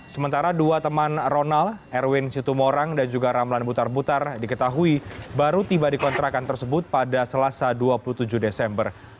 sementara dua teman ronald erwin situmorang dan juga ramlan butar butar diketahui baru tiba di kontrakan tersebut pada selasa dua puluh tujuh desember